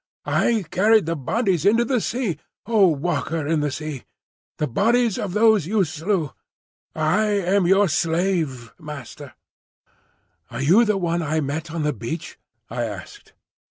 I carried the bodies into the sea, O Walker in the Sea! the bodies of those you slew. I am your slave, Master." "Are you the one I met on the beach?" I asked.